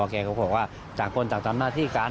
เขาก็พูดว่าจังกลจังตำหน้าที่กัน